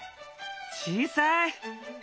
小さい！